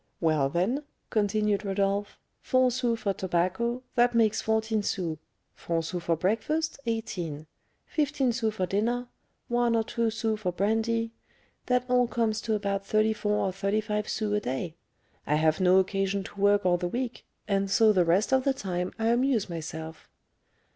"Well, then," continued Rodolph, "four sous for tobacco; that makes fourteen sous; four sous for breakfast, eighteen; fifteen sous for dinner; one or two sous for brandy; that all comes to about thirty four or thirty five sous a day. I have no occasion to work all the week, and so the rest of the time I amuse myself."